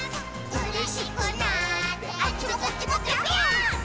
「うれしくなってあっちもこっちもぴょぴょーん」